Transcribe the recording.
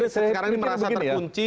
sekarang merasa terkunci